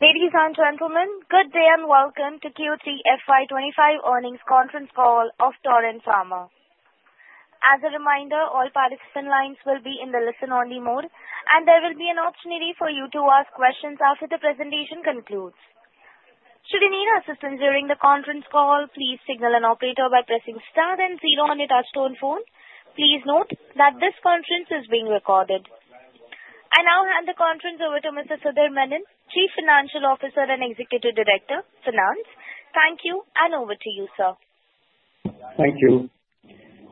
Ladies and gentlemen, good day and welcome to Q3 FY 2025 Earnings Conference Call of Torrent Pharma. As a reminder, all participant lines will be in the listen-only mode, and there will be an option for you to ask questions after the presentation concludes. Should you need assistance during the conference call, please signal an operator by pressing star then zero on your touch-tone phone. Please note that this conference is being recorded. I now hand the conference over to Mr. Sudhir Menon, Chief Financial Officer and Executive Director, Finance. Thank you, and over to you, sir. Thank you.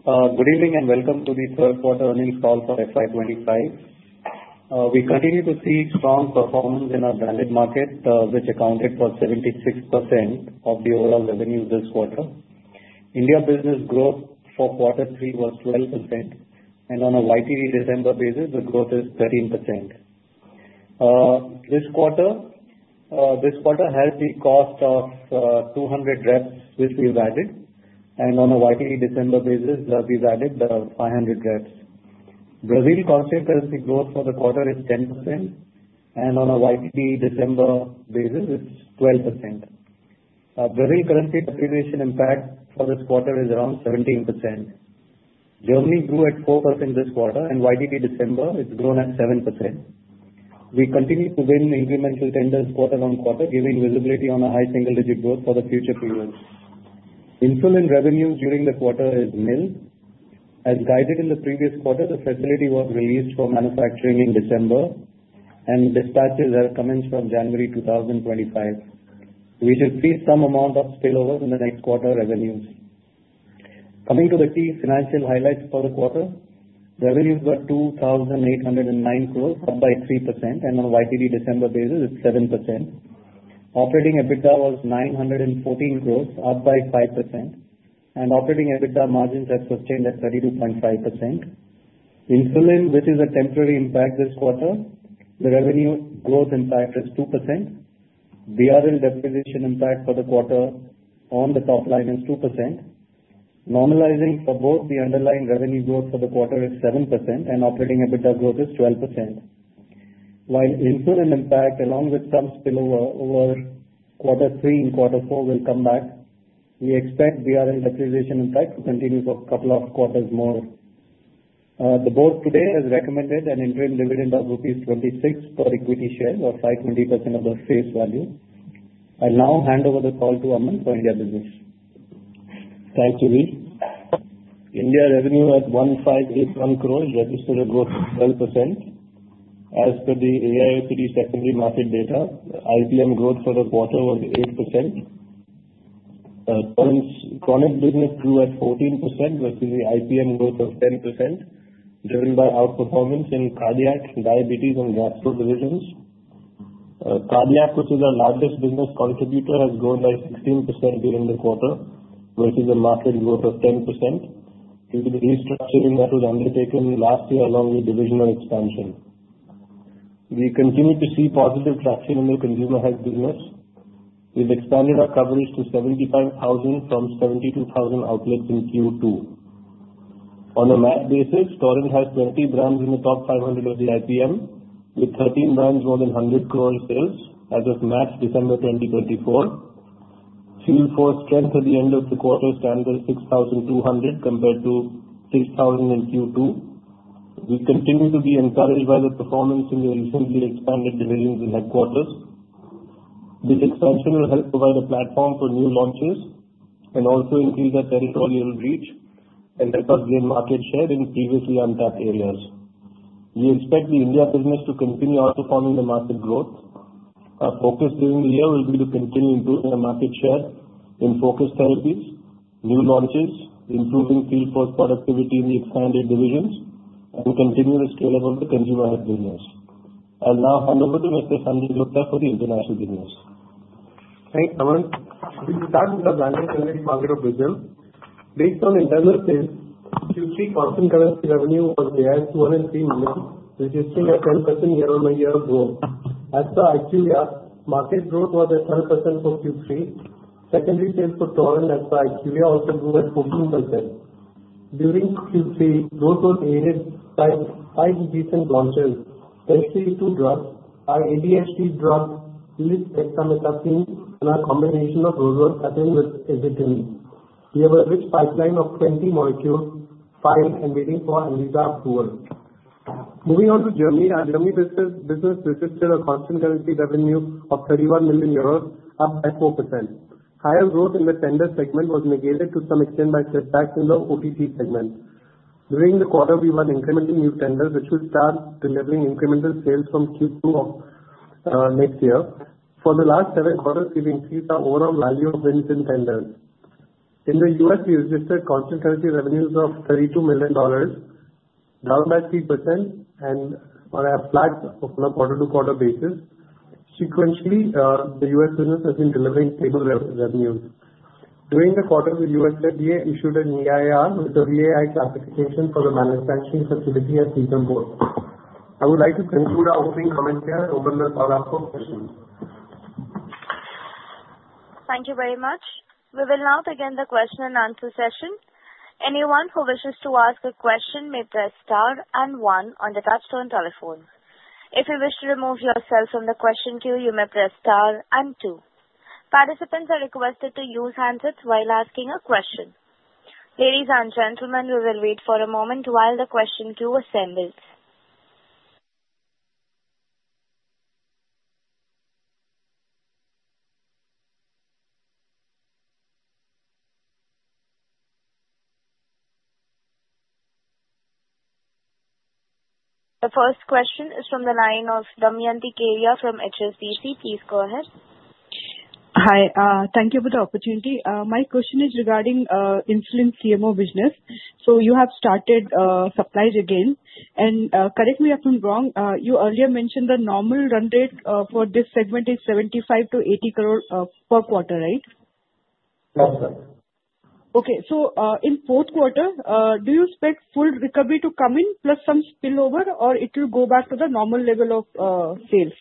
Good evening and welcome to the Third Quarter Earnings Call for FY 2025. We continue to see strong performance in our branded market, which accounted for 76% of the overall revenue this quarter. India business growth for quarter three was 12%, and on a YTD December basis, the growth is 13%. This quarter has the cost of 200 MRs, which we've added, and on a YTD December basis, we've added the 500 MRs. Brazil constant currency growth for the quarter is 10%, and on a YTD December basis, it's 12%. Brazil currency depreciation impact for this quarter is around 17%. Germany grew at 4% this quarter, and YTD December, it's grown at 7%. We continue to win incremental tenders quarter on quarter, giving visibility on a high single-digit growth for the future period. Insulin revenue during the quarter is nil. As guided in the previous quarter, the facility was released for manufacturing in December, and dispatches are coming from January 2025. We should see some amount of spillover in the next quarter revenues. Coming to the key financial highlights for the quarter, revenues were 2,809 crores, up by 3%, and on a YTD December basis, it's 7%. Operating EBITDA was 914 crores, up by 5%, and operating EBITDA margins have sustained at 32.5%. Insulin, which is a temporary impact this quarter, the revenue growth impact is 2%. BRL depreciation impact for the quarter on the top line is 2%. Normalizing for both the underlying revenue growth for the quarter is 7%, and operating EBITDA growth is 12%. While insulin impact, along with some spillover over quarter three and quarter four, will come back, we expect BRL depreciation impact to continue for a couple of quarters more. The board today has recommended an interim dividend of rupees 26 per equity share, or 520% of the face value. I'll now hand over the call to Aman for India business. Thank you, Sudhir. India revenue at 1,581 crores registered a growth of 12%. As per the AIOCD secondary market data, IPM growth for the quarter was 8%. Chronic business grew at 14%, which is the IPM growth of 10%, driven by outperformance in cardiac, diabetes, and gastro divisions. Cardiac, which is our largest business contributor, has grown by 16% during the quarter, which is a market growth of 10% due to the restructuring that was undertaken last year along with divisional expansion. We continue to see positive traction in the consumer health business. We've expanded our coverage to 75,000 from 72,000 outlets in Q2. On a MAT basis, Torrent has 20 brands in the top 500 of the IPM, with 13 brands more than 100 crores sales, as of March 2024. Field force at the end of the quarter stands at 6,200 compared to 6,000 in Q2. We continue to be encouraged by the performance in the recently expanded divisions in headquarters. This expansion will help provide a platform for new launches and also increase our territorial reach and help us gain market share in previously untapped areas. We expect the India business to continue outperforming the market growth. Our focus during the year will be to continue improving our market share in focus therapies, new launches, improving field force productivity in the expanded divisions, and continue the scale-up of the consumer health business. I'll now hand over to Mr. Sanjay Gupta for the international business. Thanks, Aman. We'll start with the branded market of Brazil. Based on internal sales, Q3 constant currency revenue was near 203 million, which is still a 10% year-on-year growth. As per IQVIA, market growth was 12% for Q3. Secondary sales for Torrent, as per IQVIA, also grew at 14%. During Q3, growth was aided by five recent launches, especially two drugs, ADHD drug, lisdexamfetamine, and a combination of rosuvastatin with ezetimibe. We have a rich pipeline of 20 molecules filed and waiting for ANVISA approval. Moving on to Germany, our Germany business registered a constant currency revenue of 31 million euros, up by 4%. Higher growth in the tender segment was negated to some extent by setbacks in the OTC segment. During the quarter, we were incrementing new tenders, which will start delivering incremental sales from Q2 of next year. For the last seven quarters, we've increased our overall value of wins in tenders. In the U.S., we registered constant currency revenues of $32 million, down by 3%, and on a flat quarter-to-quarter basis. Sequentially, the U.S. business has been delivering stable revenues. During the quarter, the U.S. FDA issued an EIR with a VAI classification for the manufacturing facility at Pithampur. I would like to conclude our opening comment here and open the floor up for questions. Thank you very much. We will now begin the question and answer session. Anyone who wishes to ask a question may press star and one on the touch-tone telephone. If you wish to remove yourself from the question queue, you may press star and two. Participants are requested to use handsets while asking a question. Ladies and gentlemen, we will wait for a moment while the question queue assembles. The first question is from the line of Damayanti Kerai from HSBC. Please go ahead. Hi, thank you for the opportunity. My question is regarding insulin CMO business. So you have started supplies again, and correct me if I'm wrong. You earlier mentioned the normal run rate for this segment is 75 crores-80 crores per quarter, right? That's right. Okay. So in fourth quarter, do you expect full recovery to come in plus some spillover, or it will go back to the normal level of sales?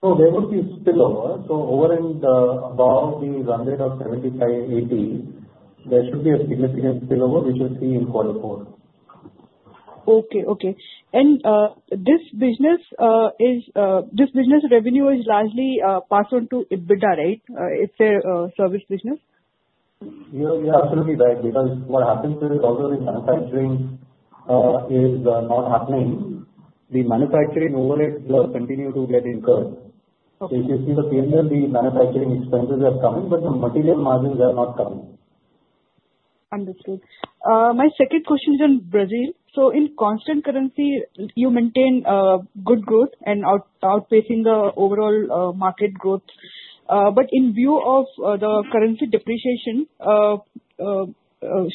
So there will be spillover. So over and above the run rate of 75 crores-80 crores, there should be a significant spillover, which we'll see in quarter four. Okay, okay. And this business revenue is largely passed on to EBITDA, right? It's a service business? You're absolutely right because what happens is all the manufacturing is not happening. The manufacturing overhead will continue to get incurred. So if you see the P&L, the manufacturing expenses are coming, but the material margins are not coming. Understood. My second question is on Brazil. So in constant currency, you maintain good growth and outpacing the overall market growth. But in view of the currency depreciation,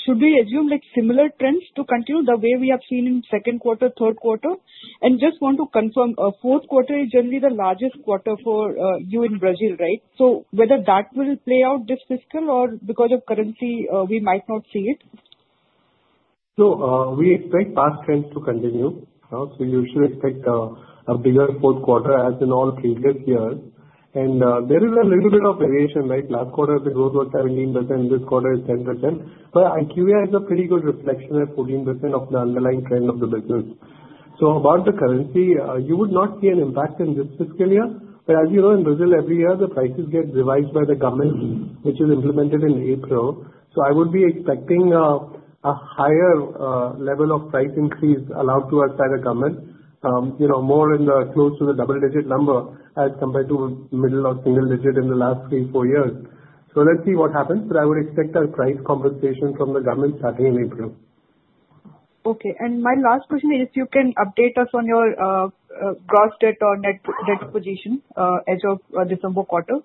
should we assume similar trends to continue the way we have seen in second quarter, third quarter? And just want to confirm, fourth quarter is generally the largest quarter for you in Brazil, right? So whether that will play out this fiscal or because of currency, we might not see it? So we expect past trends to continue. So you should expect a bigger fourth quarter as in all previous years. And there is a little bit of variation, right? Last quarter, the growth was 17%. This quarter is 10%. But IQVIA is a pretty good reflection at 14% of the underlying trend of the business. So about the currency, you would not see an impact in this fiscal year. But as you know, in Brazil, every year the prices get revised by the government, which is implemented in April. So I would be expecting a higher level of price increase allowed to us by the government, more in the close to the double-digit number as compared to middle or single digit in the last three, four years. So let's see what happens, but I would expect a price compensation from the government starting in April. Okay. And my last question is if you can update us on your gross debt or net debt position as of December quarter?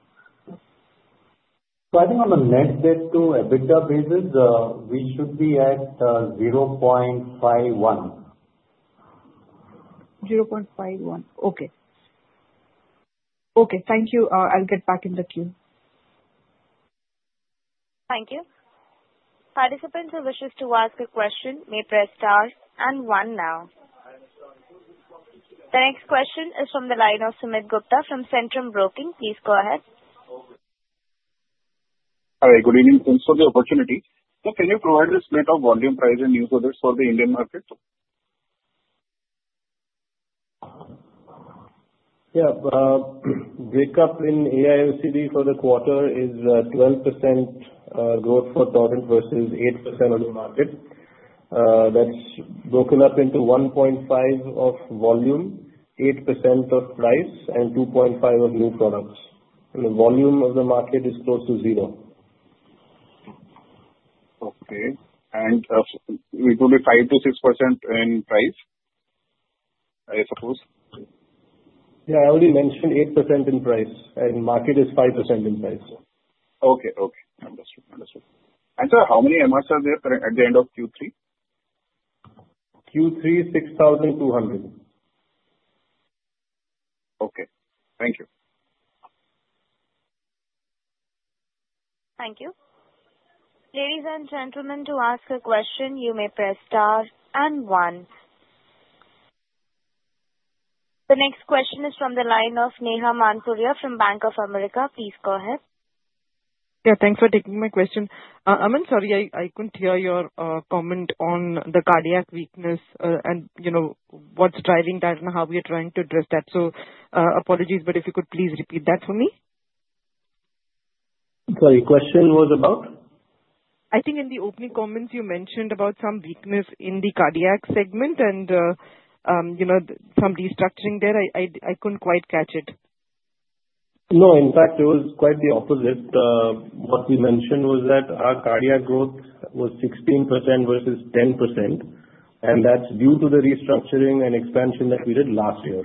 I think on the net debt to EBITDA basis, we should be at 0.51. 0.51 Okay. Okay. Thank you. I'll get back in the queue. Thank you. Participants who wish to ask a question may press star and one now. The next question is from the line of Sumit Gupta from Centrum Broking. Please go ahead. Hi. Good evening. Thanks for the opportunity. So can you provide the split of volume price and news orders for the Indian market? Yeah. Breakdown in AIOCD for the quarter is 12% growth for Torrent versus eight% of the market. That's broken up into 1.5% volume, 8% price, and 2.5% new products. And the volume of the market is close to zero. Okay. And it will be 5%-6% in price, I suppose? Yeah. I already mentioned 8% in price, and market is 5% in price. Okay, okay. Understood. Understood, and sir, how many MRs are there at the end of Q3? Q3, 6,200 MRs. Okay. Thank you. Thank you. Ladies and gentlemen, to ask a question, you may press star and one. The next question is from the line of Neha Manpuria from Bank of America. Please go ahead. Yeah. Thanks for taking my question. Aman, sorry, I couldn't hear your comment on the cardiac weakness and what's driving that and how we are trying to address that, so apologies, but if you could please repeat that for me. Sorry. Question was about? I think in the opening comments, you mentioned about some weakness in the cardiac segment and some restructuring there. I couldn't quite catch it. No. In fact, it was quite the opposite. What we mentioned was that our cardiac growth was 16% versus 10%, and that's due to the restructuring and expansion that we did last year.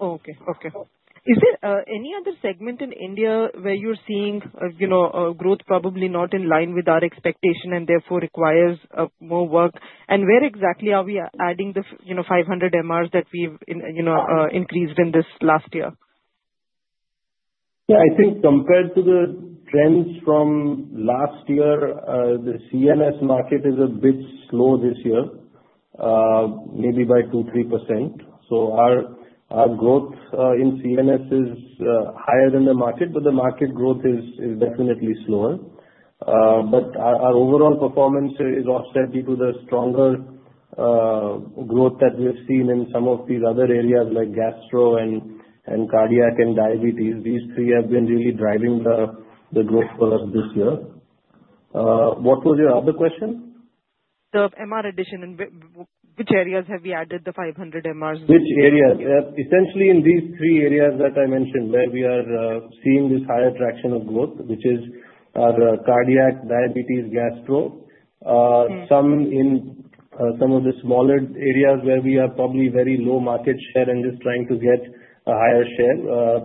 Okay, okay. Is there any other segment in India where you're seeing growth probably not in line with our expectation and therefore requires more work? And where exactly are we adding the 500 MRs that we've increased in this last year? Yeah. I think compared to the trends from last year, the CNS market is a bit slow this year, maybe by 2%-3%. So our growth in CNS is higher than the market, but the market growth is definitely slower. But our overall performance is offset due to the stronger growth that we have seen in some of these other areas like gastro and cardiac and diabetes. These three have been really driving the growth for us this year. What was your other question? The MR addition, which areas have we added the 500 MRs? Which areas? Essentially in these three areas that I mentioned where we are seeing this higher traction of growth, which is our cardiac, diabetes, gastro. Some of the smaller areas where we are probably very low market share and just trying to get a higher share,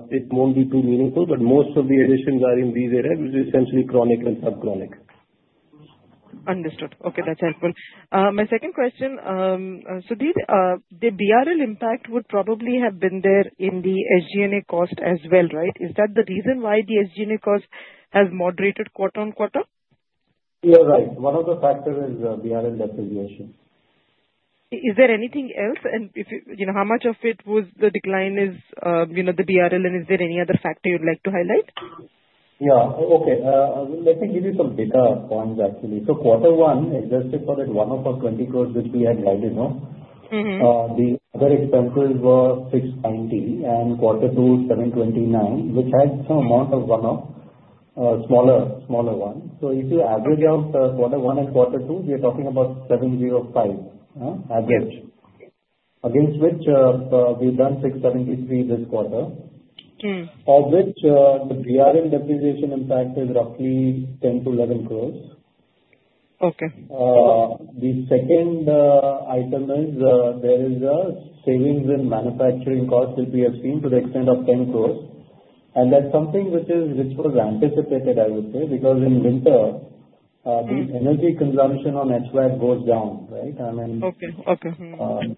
it won't be too meaningful. But most of the additions are in these areas, which is essentially chronic and sub-chronic. Understood. Okay. That's helpful. My second question, Sudhir, the BRL impact would probably have been there in the SG&A cost as well, right? Is that the reason why the SG&A cost has moderated quarter-on-quarter? You're right. One of the factors is BRL depreciation. Is there anything else? And how much of it was the decline in the BRL, and is there any other factor you'd like to highlight? Yeah. Okay. Let me give you some data points, actually. So quarter one, it just recorded 20 crores which we had guided on. The other expenses were 690 crores, and quarter two, 729 crores, which had some amount of one-off, smaller one. So if you average out quarter one and quarter two, we are talking about 705 crores average, against which we've done 673 crores this quarter, of which the BRL depreciation impact is roughly 10-11 crores. Okay. The second item is there is a savings in manufacturing costs which we have seen to the extent of 10 crores. And that's something which was anticipated, I would say, because in winter, the energy consumption on HVAC goes down, right? I mean. Okay, okay.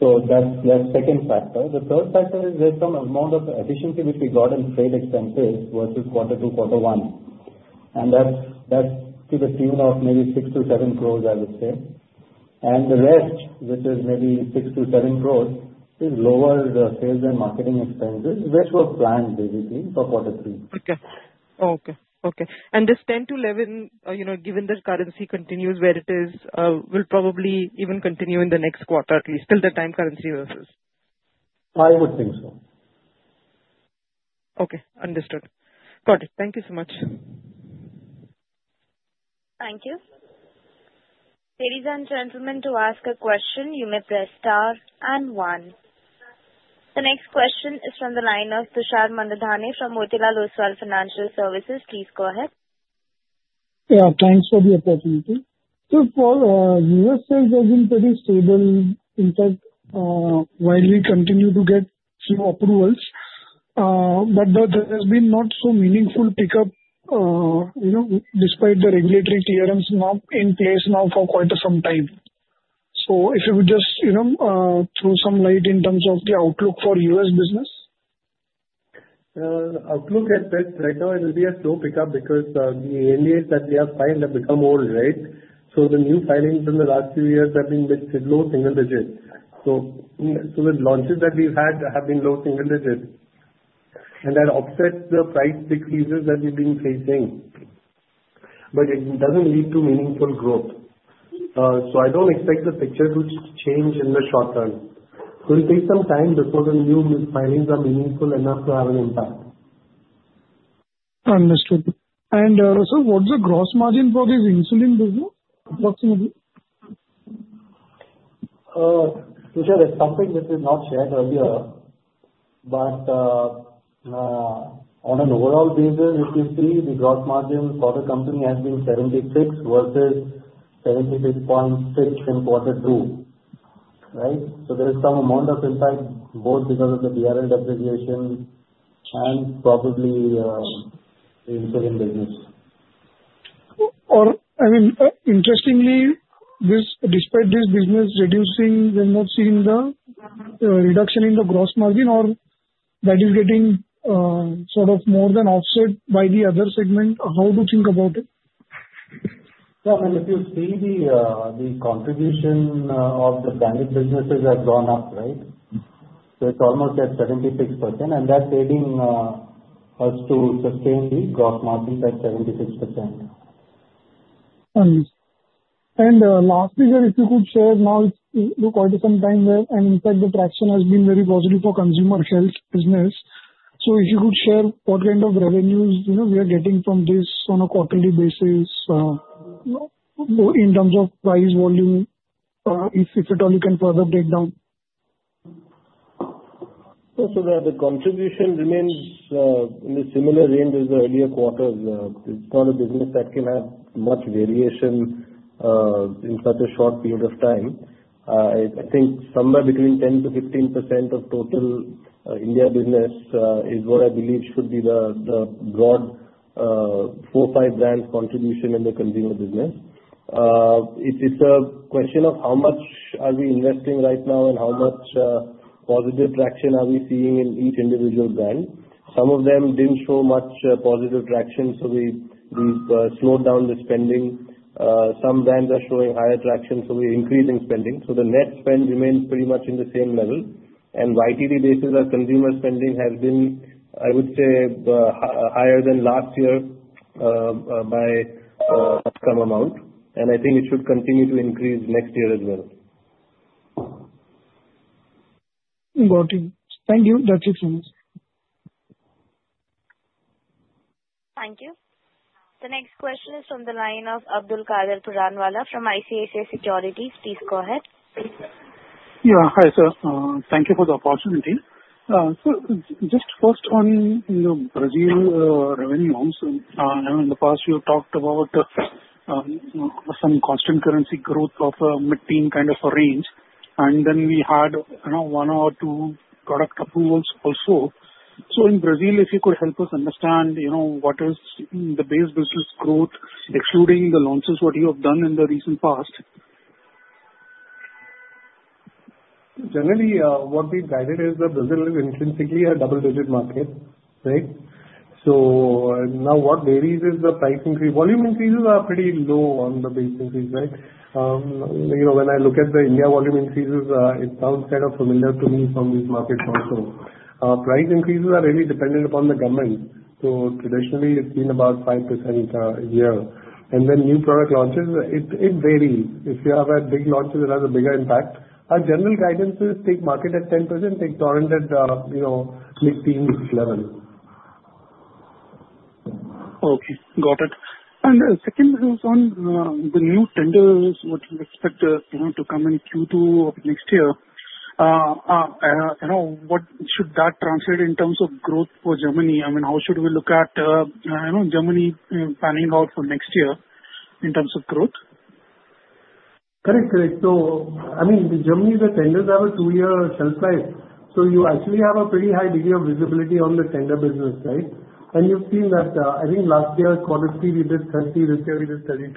That's the second factor. The third factor is there's some amount of efficiency which we got in trade expenses versus quarter two, quarter one. And that's to the tune of maybe 6 crores-7 crores, I would say. And the rest, which is maybe 6 crores-7 crores, is lower sales and marketing expenses, which were planned basically for quarter three. This 10 crores-11 crores, given the currency continues where it is, will probably even continue in the next quarter, at least till the time currency versus. I would think so. Okay. Understood. Got it. Thank you so much. Thank you. Ladies and gentlemen, to ask a question, you may press star and one. The next question is from the line of Tushar Manudhane from Motilal Oswal Financial Services. Please go ahead. Yeah. Thanks for the opportunity. So for U.S. sales, they've been pretty stable. In fact, while we continue to get few approvals, but there has been not so meaningful pickup despite the regulatory clearance now in place for quite some time. So if you would just throw some light in terms of the outlook for U.S. business. Outlook at this right now, it will be a slow pickup because the ANDAs that we have filed have become old, right, so the new filings in the last few years have been low single-digit, so the launches that we've had have been low single-digit, and that offsets the price decreases that we've been facing, but it doesn't lead to meaningful growth, so I don't expect the picture to change in the short term, so it will take some time before the new filings are meaningful enough to have an impact. Understood. And so what's the gross margin for this Insulin business, approximately? Tushar, that's something which we've not shared earlier. But on an overall basis, if you see the gross margin for the company has been 76% versus 76.6% in quarter two, right? So there is some amount of impact both because of the BRL depreciation and probably the Insulin business. Or, I mean, interestingly, despite this business reducing, we've not seen the reduction in the gross margin, or that is getting sort of more than offset by the other segment. How do you think about it? Yeah. I mean, if you see the contribution of the branded businesses has gone up, right? So it's almost at 76%. And that's aiding us to sustain the gross margin at 76%. And lastly, sir, if you could share now. It's been quite some time there, and in fact, the traction has been very positive for consumer health business. So if you could share what kind of revenues we are getting from this on a quarterly basis in terms of price volume, if at all you can further break down. So the contribution remains in the similar range as the earlier quarters. It's not a business that can have much variation in such a short period of time. I think somewhere between 10%-15% of total India business is what I believe should be the broad four, five brands' contribution in the consumer business. It's a question of how much are we investing right now and how much positive traction are we seeing in each individual brand. Some of them didn't show much positive traction, so we slowed down the spending. Some brands are showing higher traction, so we're increasing spending. So the net spend remains pretty much in the same level. And YTD basis of consumer spending has been, I would say, higher than last year by some amount. And I think it should continue to increase next year as well. Got it. Thank you. That's it, sir. Thank you. The next question is from the line of Abdulkader Puranwala from ICICI Securities. Please go ahead. Yeah. Hi, sir. Thank you for the opportunity. So just first on the Brazil revenues, in the past, you talked about some constant currency growth of a mid-teen kind of range. And then we had one or two product approvals also. So in Brazil, if you could help us understand what is the base business growth, excluding the launches what you have done in the recent past? Generally, what we've guided is that Brazil is intrinsically a double-digit market, right? So now what varies is the price increase. Volume increases are pretty low on the base increase, right? When I look at the India volume increases, it sounds kind of familiar to me from these markets also. Price increases are really dependent upon the government. So traditionally, it's been about 5% a year. And then new product launches, it varies. If you have a big launch that has a bigger impact, our general guidance is take market at 10%, take Torrent at mid-teen level. Okay. Got it. And second is on the new tenders, what you expect to come in Q2 of next year, what should that translate in terms of growth for Germany? I mean, how should we look at Germany panning out for next year in terms of growth? Correct. Correct. So I mean, the Germany, the tenders have a two-year shelf life. So you actually have a pretty high degree of visibility on the tender business, right? And you've seen that I think last year, quarter three, we did 30%. This year, we did 32%.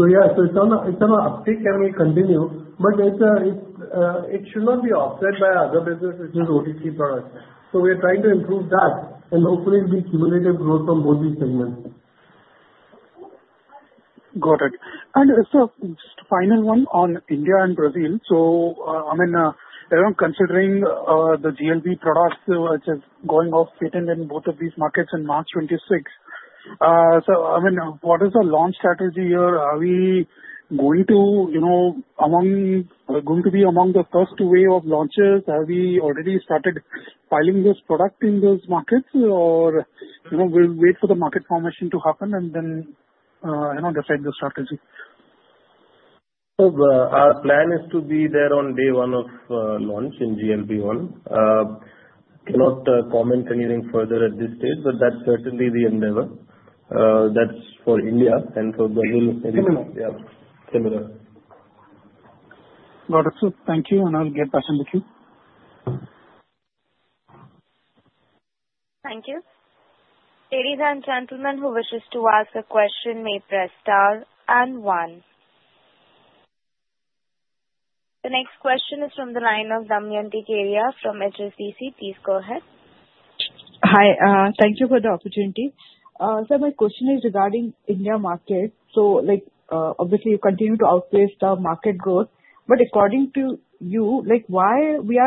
So yeah, so it's on an uptick and will continue. But it should not be offset by other businesses with OTC products. So we are trying to improve that, and hopefully, it will be cumulative growth on both these segments. Got it. This is just the final one on India and Brazil. I mean, considering the GLP products which are going off patent in both of these markets on March 26, what is the launch strategy here? Are we going to be among the first two waves of launches? Have we already started filing those products in those markets, or will we wait for the market formation to happen and then decide the strategy? Our plan is to be there on day one of launch in GLP-1. Cannot comment on anything further at this stage, but that's certainly the endeavor. That's for India and for Brazil. Similar. Yeah. Similar. Got it. So thank you, and I'll get back in with you. Thank you. Ladies and gentlemen, who wishes to ask a question may press star and one. The next question is from the line of Damayanti Kerai from HSBC. Please go ahead. Hi. Thank you for the opportunity. So my question is regarding India market. So obviously, you continue to outpace the market growth. But according to you, why are we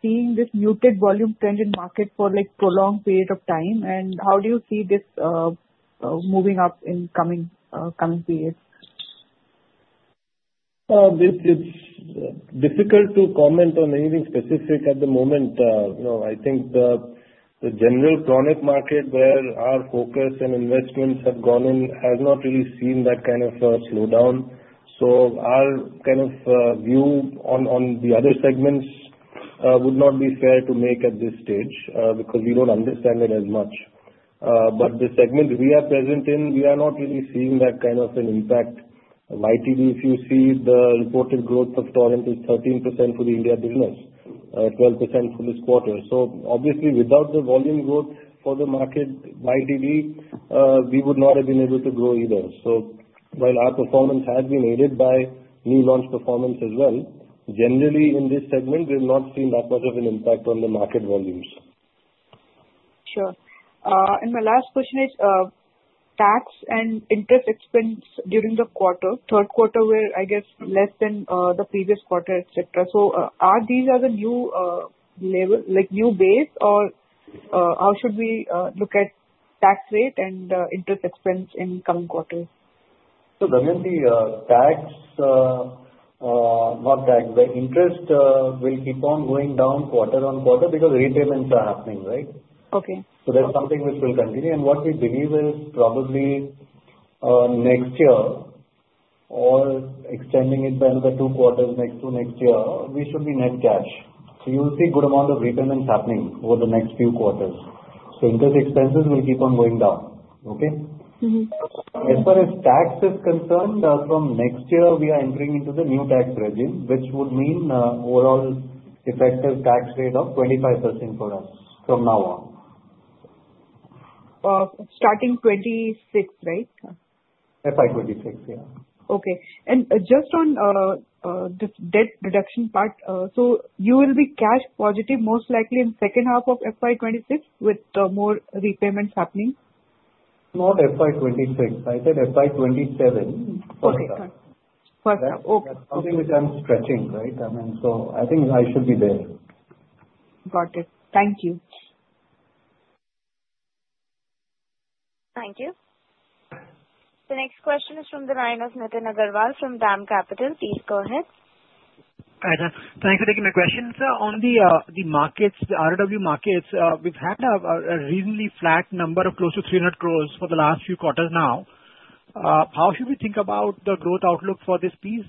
seeing this muted volume trend in market for a prolonged period of time? And how do you see this moving up in coming periods? It's difficult to comment on anything specific at the moment. I think the general chronic market where our focus and investments have gone in has not really seen that kind of slowdown. So our kind of view on the other segments would not be fair to make at this stage because we don't understand it as much. But the segments we are present in, we are not really seeing that kind of an impact. YTD, if you see the reported growth of Torrent is 13% for the India business, 12% for this quarter. So obviously, without the volume growth for the market by YTD, we would not have been able to grow either. So while our performance has been aided by new launch performance as well, generally in this segment, we have not seen that much of an impact on the market volumes. Sure. And my last question is tax and interest expense during the quarter, third quarter where, I guess, less than the previous quarter, etc. So are these other new base or how should we look at tax rate and interest expense in coming quarters? Definitely tax, not tax. The interest will keep on going down quarter on quarter because repayments are happening, right? Okay. So that's something which will continue. And what we believe is probably next year or extending it by another two quarters next to next year, we should be net cash. So you will see a good amount of repayments happening over the next few quarters. So interest expenses will keep on going down, okay? As far as tax is concerned, from next year, we are entering into the new tax regime, which would mean overall effective tax rate of 25% for us from now on. Starting 26, right? FY 2026, yeah. Okay. And just on the debt reduction part, so you will be cash positive most likely in the second half of FY 2026 with more repayments happening? Not FY 2026. I said FY 2027. Okay. First half. First half. That's something which I'm stretching, right? I mean, so I think I should be there. Got it. Thank you. Thank you. The next question is from the line of Nitin Agarwal from DAM Capital. Please go ahead. Thanks for taking my question, sir. On the markets, the RoW markets, we've had a reasonably flat number of close to 300 crores for the last few quarters now. How should we think about the growth outlook for this piece?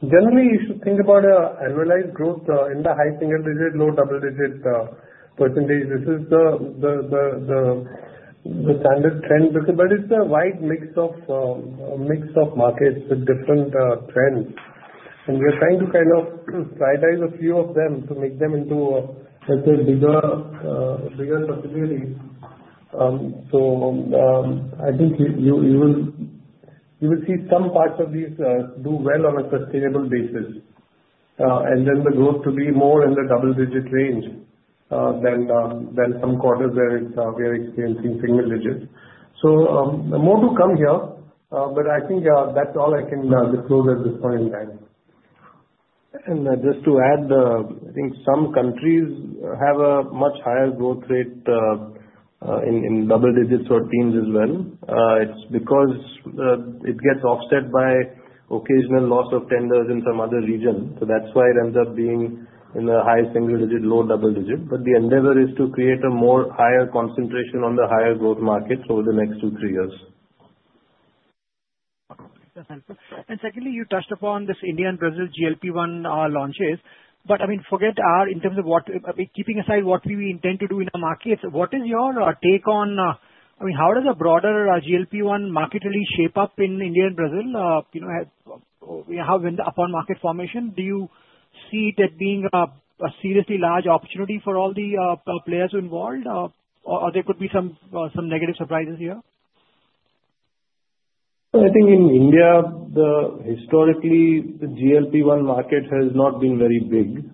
Generally, you should think about annualized growth in the high single-digit to low double-digit percentage. This is the standard trend, but it's a wide mix of markets with different trends, and we are trying to kind of prioritize a few of them to make them into a bigger possibility, so I think you will see some parts of these do well on a sustainable basis, and then the growth to be more in the double-digit range than some quarters where we are experiencing single digits, so more to come here, but I think that's all I can disclose at this point in time, And just to add, I think some countries have a much higher growth rate in double-digits or teens as well. It's because it gets offset by occasional loss of tenders in some other region. So that's why it ends up being in the high single digit, low double digit. But the endeavor is to create a more higher concentration on the higher growth markets over the next two, three years. And secondly, you touched upon this India and Brazil GLP-1 launches. But I mean, forget in terms of keeping aside what we intend to do in the markets, what is your take on I mean, how does a broader GLP-1 market really shape up in India and Brazil? How has the open market formation? Do you see it as being a seriously large opportunity for all the players involved? Or there could be some negative surprises here? I think in India, historically, the GLP-1 market has not been very big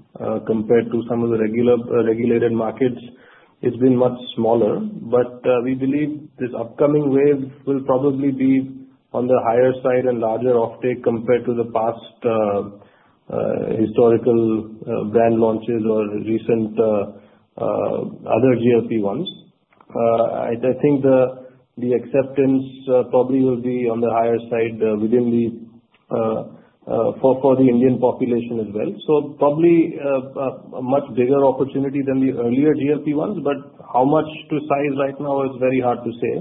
compared to some of the regulated markets. It's been much smaller. But we believe this upcoming wave will probably be on the higher side and larger offtake compared to the past historical brand launches or recent other GLP-1s. I think the acceptance probably will be on the higher side within the, for the Indian population as well. Probably a much bigger opportunity than the earlier GLP-1s, but how much to size right now is very hard to say.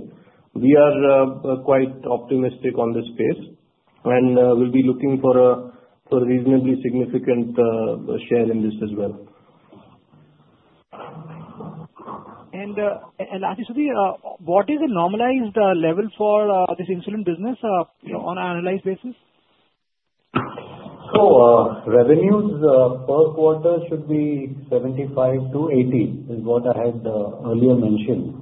We are quite optimistic on this space and will be looking for a reasonably significant share in this as well. Lastly, sir, what is the normalized level for this Insulin business on an annualized basis? Revenues per quarter should be 75 crores-80 crores, is what I had earlier mentioned.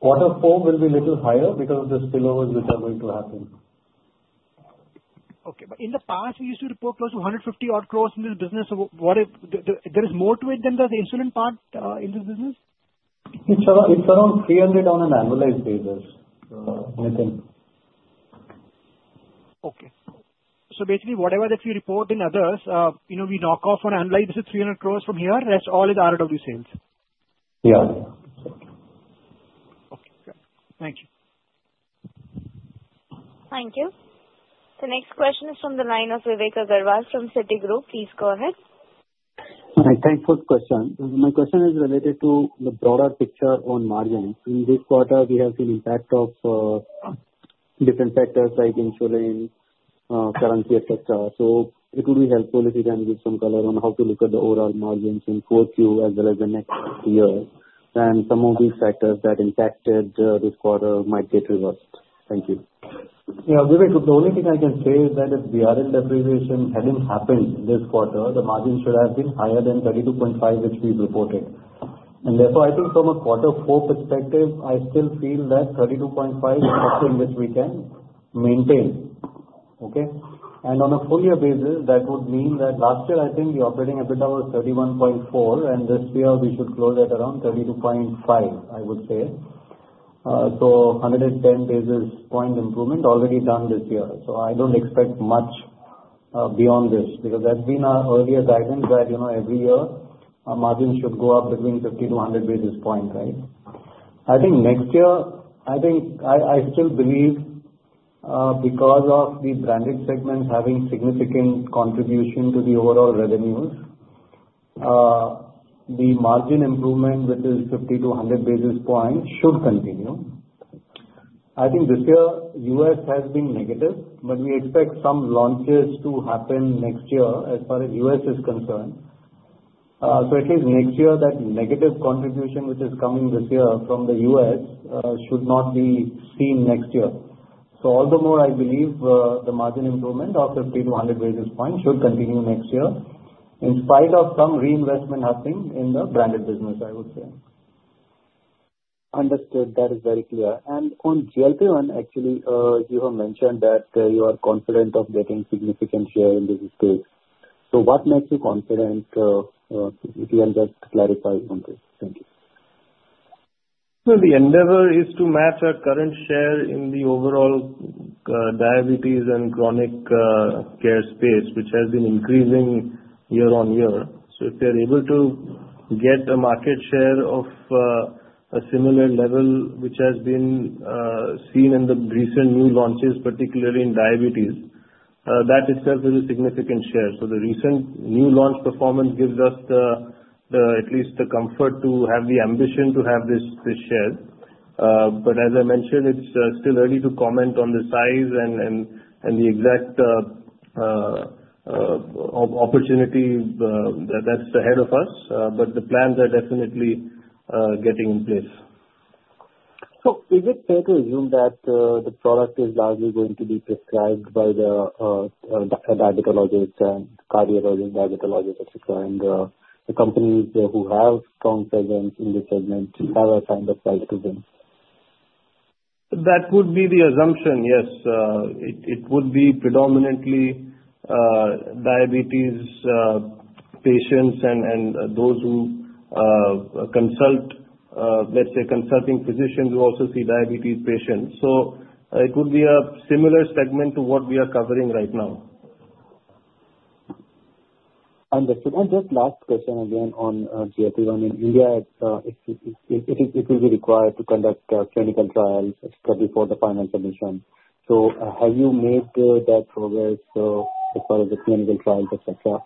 Quarter four will be a little higher because of the spillovers which are going to happen. Okay, but in the past, we used to report close to 150 odd crores in this business. There is more to it than the insulin part in this business? It's around 300 crores on an annualized basis, Nitin. Okay, so basically, whatever that you report in others, we knock off on annualized. This is 300 crores from here. That's all is RoW sales. Yeah. Okay. Thank you. Thank you. The next question is from the line of Vivek Agrawal from Citigroup. Please go ahead. Thanks for the question. My question is related to the broader picture on margins. In this quarter, we have seen impact of different factors like insulin, currency etc. So it would be helpful if you can give some color on how to look at the overall margins in fourth year as well as the next year. And some of these factors that impacted this quarter might get reversed. Thank you. Yeah. Vivek, the only thing I can say is that if the real depreciation hadn't happened this quarter, the margin should have been higher than 32.5%, which we've reported. And therefore, I think from a quarter four perspective, I still feel that 32.5% is something which we can maintain, okay? On a full year basis, that would mean that last year, I think the operating EBITDA was 31.4, and this year we should close at around 32.5, I would say. So 110 basis point improvement already done this year. So I don't expect much beyond this because that's been our earlier guidance that every year margins should go up between 50-100 basis point, right? I think next year, I think I still believe because of the branded segments having significant contribution to the overall revenues, the margin improvement, which is 50-100 basis point, should continue. I think this year, U.S. has been negative, but we expect some launches to happen next year as far as U.S. is concerned. So at least next year, that negative contribution which is coming this year from the U.S. should not be seen next year. So all the more, I believe the margin improvement of 50-100 basis points should continue next year in spite of some reinvestment happening in the branded business, I would say. Understood. That is very clear. And on GLP-1, actually, you have mentioned that you are confident of getting significant share in this space. So what makes you confident? If you can just clarify on this. Thank you. So the endeavor is to match our current share in the overall diabetes and chronic care space, which has been increasing year-on-year. So if we are able to get a market share of a similar level which has been seen in the recent new launches, particularly in diabetes, that itself is a significant share. So the recent new launch performance gives us at least the comfort to have the ambition to have this share. But as I mentioned, it's still early to comment on the size and the exact opportunity that's ahead of us. But the plans are definitely getting in place. So is it fair to assume that the product is largely going to be prescribed by the diabetologists, cardiologists, diabetologists, etc., and the companies who have strong presence in this segment have a kind of size to them? That would be the assumption, yes. It would be predominantly diabetes patients and those who consult, let's say, consulting physicians who also see diabetes patients. So it would be a similar segment to what we are covering right now. Understood. And just last question again on GLP-1. In India, it will be required to conduct clinical trials before the final submission. So have you made that progress as far as the clinical trials, etc.?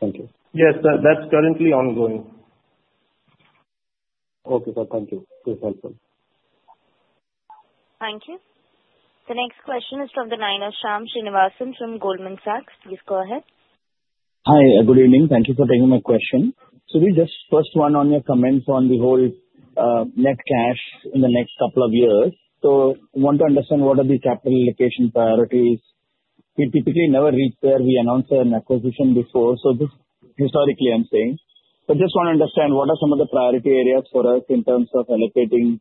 Thank you. Yes, that's currently ongoing. Okay. Thank you. It was helpful. Thank you. The next question is from the line of Shyam Srinivasan from Goldman Sachs. Please go ahead. Hi. Good evening. Thank you for taking my question. Sudhir first one on your comments on the whole net cash in the next couple of years. So I want to understand what are the capital allocation priorities. We typically never reach where we announce an acquisition before. So this is historically, I'm saying. But just want to understand what are some of the priority areas for us in terms of allocating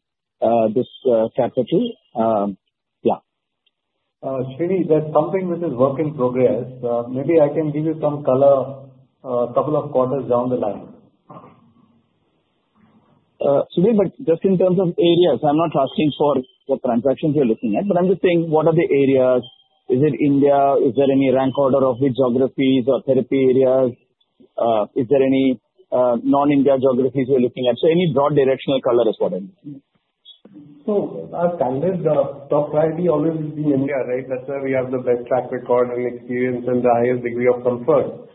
this capital. Yeah. Srini, that's something which is work in progress. Maybe I can give you some color a couple of quarters down the line. Sudhir, but just in terms of areas, I'm not asking for what transactions you're looking at, but I'm just saying what are the areas? Is it India? Is there any rank order of which geographies or therapy areas? Is there any non-India geographies you're looking at? So any broad directional color is what I'm asking. So standard top priority always will be India, right? That's where we have the best track record and experience and the highest degree of comfort.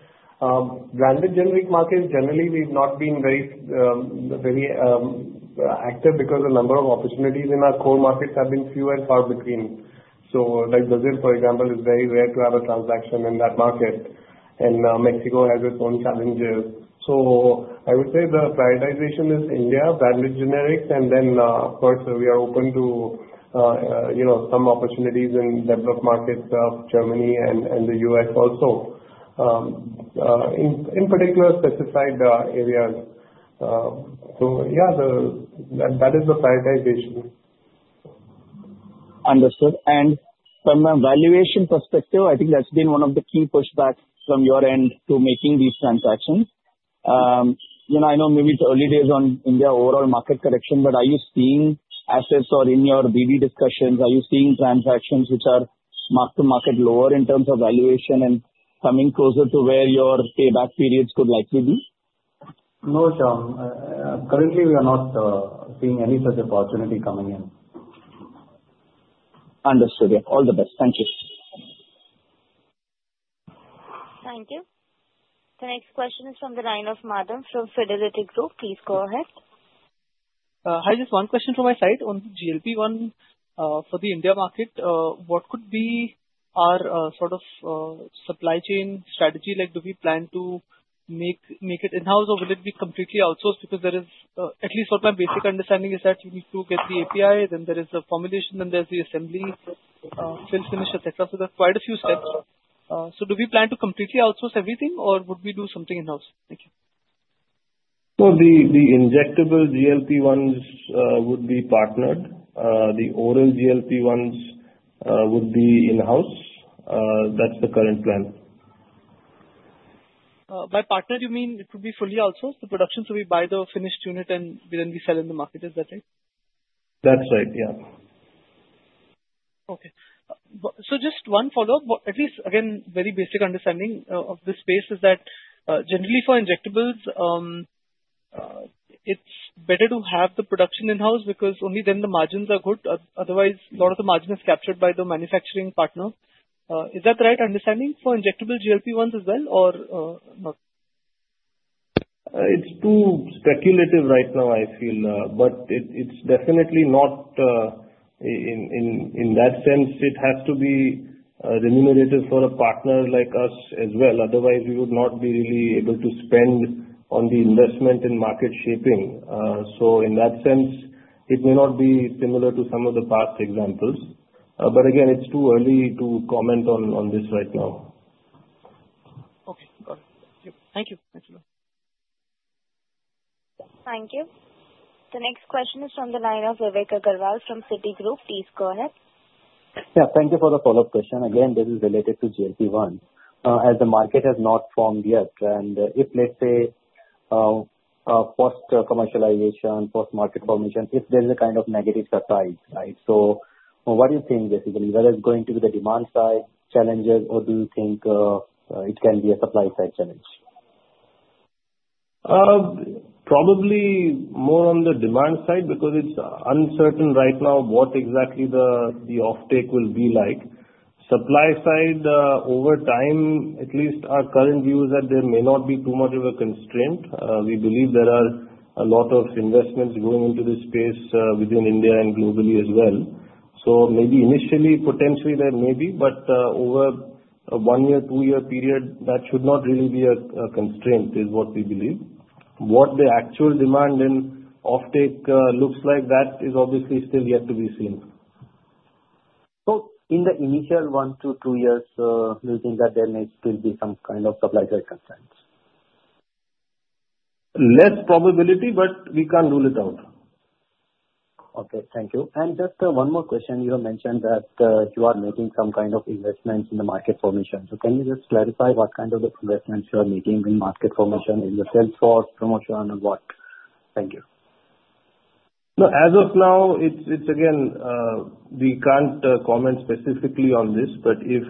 Branded generic markets, generally, we've not been very active because the number of opportunities in our core markets have been few and far between. So like Brazil, for example, is very rare to have a transaction in that market. And Mexico has its own challenges. So I would say the prioritization is India, branded generics, and then of course, we are open to some opportunities in developed markets of Germany and the US also, in particular specified areas. So yeah, that is the prioritization. Understood. And from an evaluation perspective, I think that's been one of the key pushbacks from your end to making these transactions. I know maybe it's early days on India overall market correction, but are you seeing assets or in your BD discussions, are you seeing transactions which are marked to market lower in terms of valuation and coming closer to where your payback periods could likely be? No, Shyam. Currently, we are not seeing any such opportunity coming in. Understood. All the best. Thank you. Thank you. The next question is from the line of Madhav Marda from Fidelity Group. Please go ahead. Hi. Just one question from my side. On GLP-1 for the India market, what could be our sort of supply chain strategy? Do we plan to make it in-house or will it be completely outsourced? Because at least what my basic understanding is that you need to get the API, then there is the formulation, then there's the assembly, fill, finish, etc. So there's quite a few steps. So do we plan to completely outsource everything or would we do something in-house? Thank you. So the injectable GLP-1s would be partnered. The oral GLP-1s would be in-house. That's the current plan. By partner, you mean it would be fully outsourced? The production, so we buy the finished unit and then we sell in the market. Is that right? That's right. Yeah. Okay. So just one follow-up. At least, again, very basic understanding of this space is that generally for injectables, it's better to have the production in-house because only then the margins are good. Otherwise, a lot of the margin is captured by the manufacturing partner. Is that the right understanding for injectable GLP-1s as well or not? It's too speculative right now, I feel. But it's definitely not in that sense. It has to be remunerative for a partner like us as well. Otherwise, we would not be really able to spend on the investment in market shaping. So in that sense, it may not be similar to some of the past examples. But again, it's too early to comment on this right now. Okay. Got it. Thank you. Thank you. Thank you. Thank you. The next question is from the line of Vivek Agrawal from Citigroup. Please go ahead. Yeah. Thank you for the follow-up question. Again, this is related to GLP-1. As the market has not formed yet, and if, let's say, post-commercialization, post-market formation, if there is a kind of negative surprise, right? So what do you think, basically? Whether it's going to be the demand side challenges or do you think it can be a supply side challenge? Probably more on the demand side because it's uncertain right now what exactly the offtake will be like. Supply side, over time, at least our current view is that there may not be too much of a constraint. We believe there are a lot of investments going into this space within India and globally as well. So maybe initially, potentially there may be, but over a one-year, two-year period, that should not really be a constraint is what we believe. What the actual demand and offtake looks like, that is obviously still yet to be seen. So in the initial one to two years, do you think that there may still be some kind of supply side concerns? Less probability, but we can't rule it out. Okay. Thank you. And just one more question. You have mentioned that you are making some kind of investments in the market formation. So can you just clarify what kind of investments you are making in market formation in the sales force, promotion, and what? Thank you. As of now, it's again, we can't comment specifically on this, but if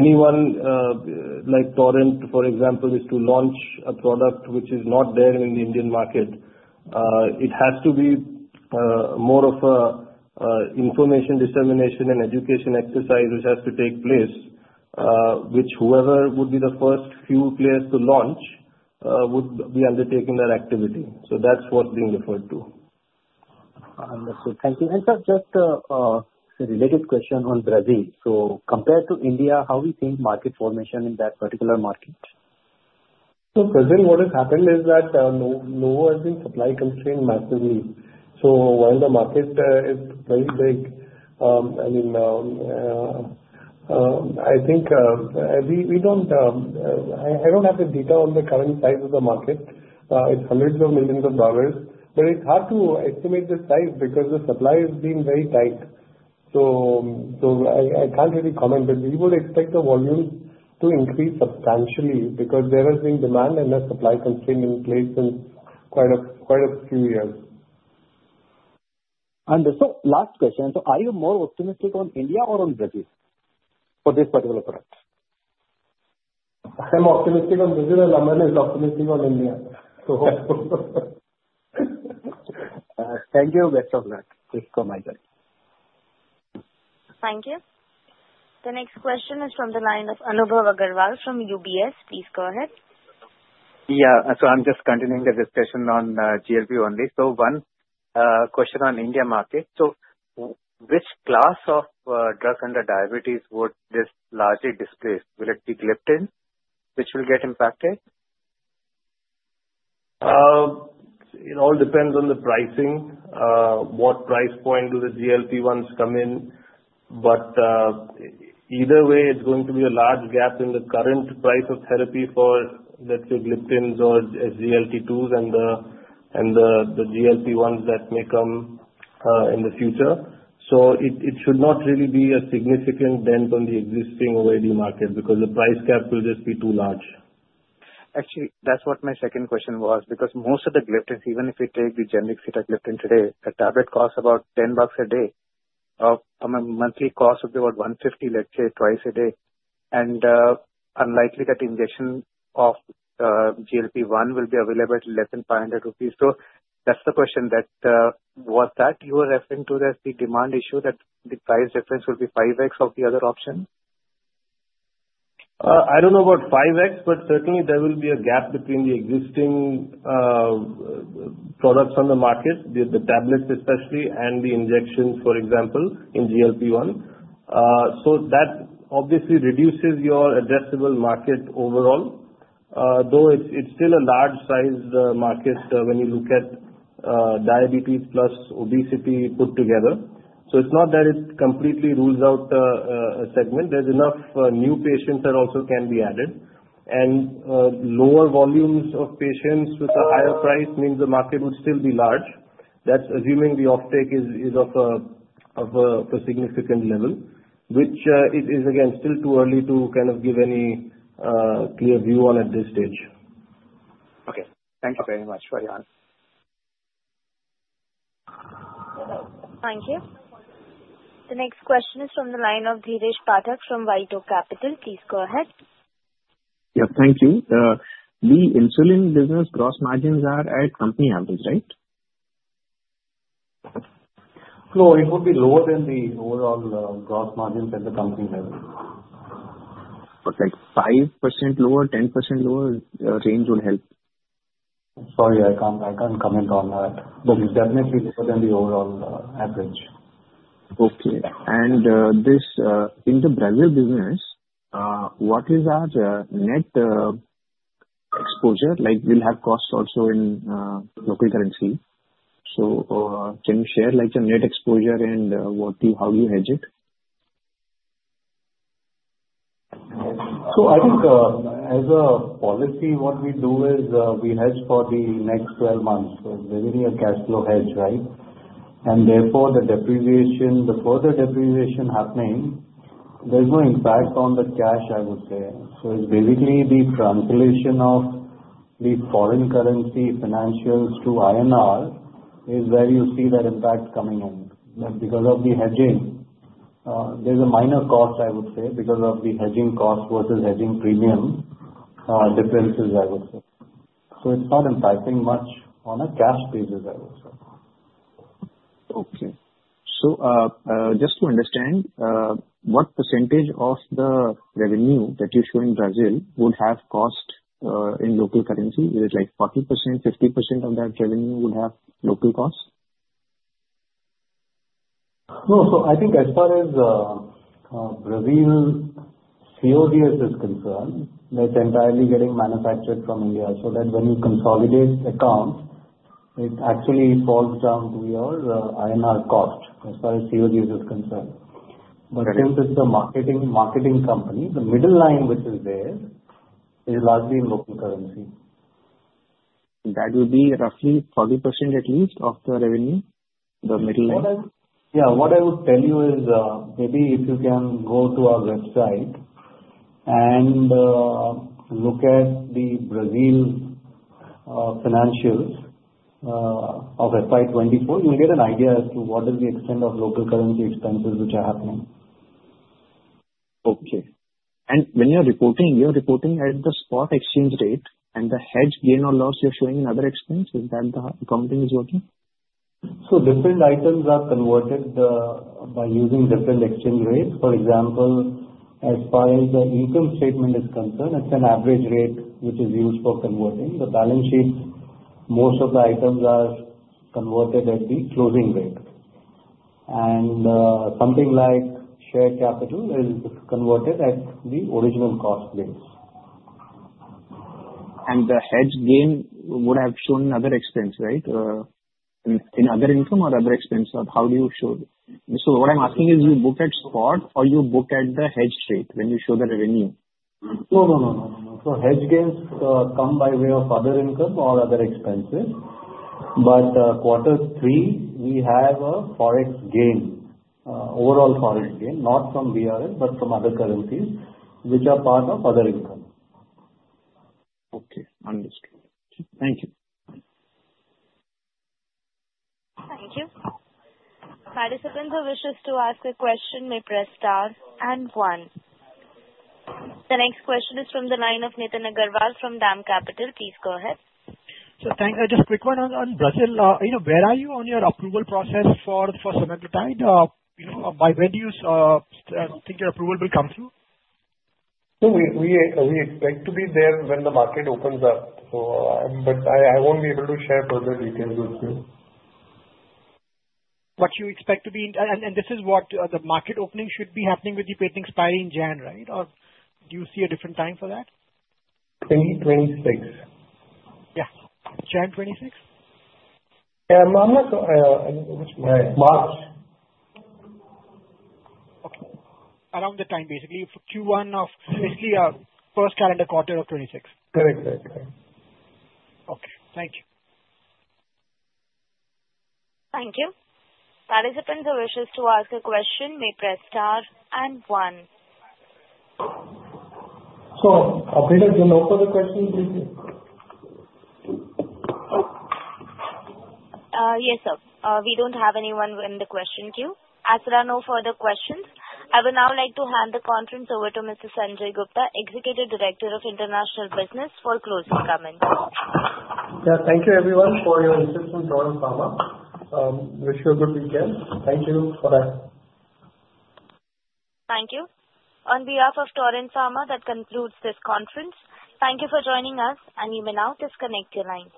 anyone like Torrent, for example, is to launch a product which is not there in the Indian market, it has to be more of an information dissemination and education exercise which has to take place, which whoever would be the first few players to launch would be undertaking that activity. So that's what's being referred to. Understood. Thank you. And just a related question on Brazil. So compared to India, how do you think market formation in that particular market? So Brazil, what has happened is that Novo has been supply constrained massively. So while the market is very big, I mean, I think we don't have the data on the current size of the market. It's hundreds of millions of dollars, but it's hard to estimate the size because the supply has been very tight. So I can't really comment, but we would expect the volumes to increase substantially because there has been demand and a supply constraint in place since quite a few years. Understood. Last question. So are you more optimistic on India or on Brazil for this particular product? I'm optimistic on Brazil, and I'm not as optimistic on India. So hopefully. Thank you. Best of luck. Thank you. Thank you. The next question is from the line of Anubhav Agarwal from UBS. Please go ahead. Yeah. So I'm just continuing the discussion on GLP-1. So one question on India market. So which class of drug under diabetes would this largely displace? Will it be gliptin, which will get impacted? It all depends on the pricing. What price point do the GLP-1s come in? But either way, it's going to be a large gap in the current price of therapy for, let's say, gliptins or SGLT2s and the GLP-1s that may come in the future. So it should not really be a significant dent on the existing OAD market because the price gap will just be too large. Actually, that's what my second question was because most of the gliptins, even if you take the generic sitagliptin today, the tablet costs about INR 10 a day. A monthly cost would be about 150, let's say, twice a day. And unlikely that injection of GLP-1 will be available at less than 500 rupees. So that's the question. Was that what you were referring to as the demand issue that the price difference will be 5x of the other option? I don't know about 5x, but certainly there will be a gap between the existing products on the market, the tablets especially, and the injections, for example, in GLP-1. So that obviously reduces your addressable market overall, though it's still a large-sized market when you look at diabetes plus obesity put together. So it's not that it completely rules out a segment. There's enough new patients that also can be added. And lower volumes of patients with a higher price means the market would still be large. That's assuming the offtake is of a significant level, which is, again, still too early to kind of give any clear view on at this stage. Okay. Thank you very much. Very honest. Thank you. The next question is from the line of Dheeresh Pathak from White Oak Capital. Please go ahead. Yeah. Thank you. The Insulin business gross margins are at company average, right? No, it would be lower than the overall gross margins at the company level. But like 5%-10% lower range would help. Sorry, I can't comment on that. But it's definitely lower than the overall average. Okay. And in the Brazil business, what is our net exposure? We'll have costs also in local currency. So can you share your net exposure and how you hedge it? So I think as a policy, what we do is we hedge for the next 12 months. So it's basically a cash flow hedge, right? And therefore, the depreciation, the further depreciation happening, there's no impact on the cash, I would say. So it's basically the translation of the foreign currency financials to INR is where you see that impact coming in. But because of the hedging, there's a minor cost, I would say, because of the hedging cost versus hedging premium differences, I would say. So it's not impacting much on a cash basis, I would say. Okay. So just to understand, what percentage of the revenue that you show in Brazil would have cost in local currency? Is it like 40%, 50% of that revenue would have local costs? No. So I think as far as Brazil's COGS is concerned, that's entirely getting manufactured from India. So then when you consolidate accounts, it actually falls down to your INR cost as far as COGS is concerned. But since it's a marketing company, the middle line which is there is largely in local currency. That would be roughly 40% at least of the revenue? The middle line? Yeah. What I would tell you is maybe if you can go to our website and look at the Brazil financials of FY 2024, you'll get an idea as to what is the extent of local currency expenses which are happening. Okay. And when you're reporting, you're reporting at the spot exchange rate, and the hedge gain or loss you're showing in other expenses, is that the accounting is working? So different items are converted by using different exchange rates. For example, as far as the income statement is concerned, it's an average rate which is used for converting. The balance sheet, most of the items are converted at the closing rate. And something like share capital is converted at the original cost base. The hedge gain would have shown in other expense, right? In other income or other expense? How do you show it? What I'm asking is, you book at spot or you book at the hedge rate when you show the revenue? No, no, no, no, no, no. So hedge gains come by way of other income or other expenses. But quarter three, we have a forex gain, overall forex gain, not from BRL, but from other currencies which are part of other income. Okay. Understood. Thank you. Thank you. Participants who wish to ask a question may press star and one. The next question is from the line of Nitin Agarwal from DAM Capital. Please go ahead. So just a quick one on Brazil. Where are you on your approval process for some time? By when do you think your approval will come through? So we expect to be there when the market opens up. But I won't be able to share further details with you. What you expect to be? And this is what the market opening should be happening with the patent expiry in January, right? Or do you see a different time for that? 2026. Yeah. January 2026? Yeah. I'm not sure. March. Okay. Around that time, basically. Q1 of basically first calendar quarter of 2026. Correct. Okay. Thank you. Thank you. Participants who wish to ask a question may press star and one. So please no further questions, please. Yes, sir. We don't have anyone in the question queue. As there are no further questions, I would now like to hand the conference over to Mr. Sanjay Gupta, Executive Director of International Business, for closing comments. Yeah. Thank you, everyone, for your interest in pharma. Wish you a good weekend. Thank you. Bye-bye. Thank you. On behalf of Torrent Pharma, that concludes this conference. Thank you for joining us, and you may now disconnect your line.